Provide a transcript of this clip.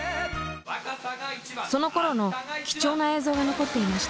そのころの貴重な映像が残っていました。